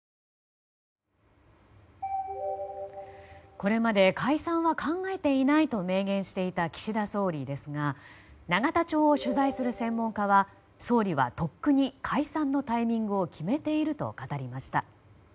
これまで解散は考えていないと明言していた岸田総理ですが永田町を取材する専門家はとっくに解散のタイミングを決めていると語りました。